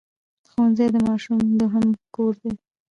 ښوونځی د ماشوم دوهم کور دی